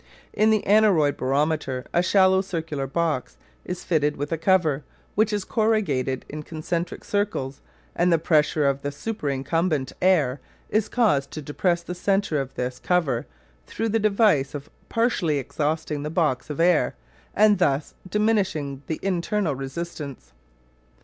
In the aneroid barometer a shallow circular box is fitted with a cover, which is corrugated in concentric circles, and the pressure of the superincumbent air is caused to depress the centre of this cover through the device of partially exhausting the box of air and thus diminishing the internal resistance.